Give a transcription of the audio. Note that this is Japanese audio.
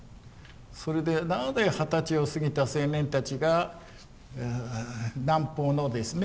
それでなぜ二十歳を過ぎた青年たちが南方のですね